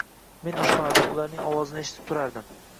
Men oshxonada, ularning ovozini eshitib turardim